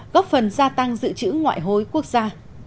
góp phần gia tăng dự trữ ngoại hối quốc gia